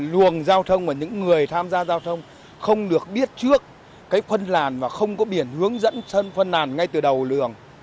luồng giao thông và những người tham gia giao thông không được biết trước cái phân làn và không có biển hướng dẫn phân làn ngay từ đầu luồng